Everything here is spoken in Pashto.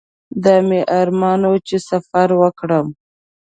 دا مې ارمان و چې سفر وکړم.